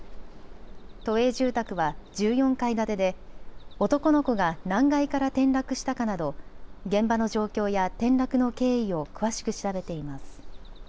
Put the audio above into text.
都営住宅は１４階建てで男の子が何階から転落したかなど現場の状況や転落の経緯を詳しく調べています。